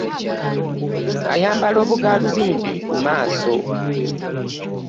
Ayambala obugaalubindi ku maaso.